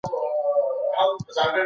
د ملکیت حق د انسان فطري غوښتنه ده.